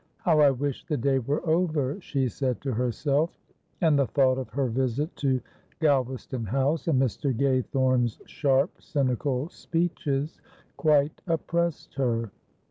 "How I wish the day were over," she said to herself; and the thought of her visit to Galvaston House, and Mr. Gaythorne's sharp, cynical speeches, quite oppressed her.